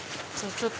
ちょいと。